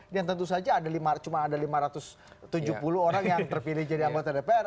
dan tentu saja ada lima ratus tujuh puluh orang yang terpilih jadi anggota dpr